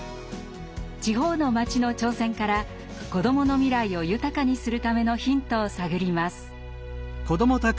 地方の町の挑戦から子どもの未来を豊かにするためのヒントを探ります。